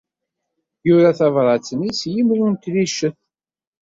Yura tabṛat-nni s yimru n tricet.